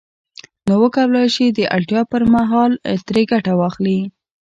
نو وکولای شي د اړتیا پر مهال ترې ګټه واخلي